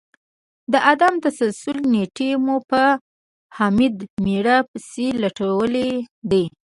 د عدم تسلسل نیټې مو په حامد میر پسي لټولې دي